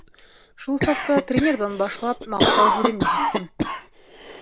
Шул саҡта тренерҙан башлап маҡтау һүҙен ишеттем.